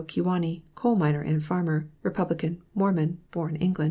Kewanee; coal miner and farmer; Rep; Mormon; born Eng.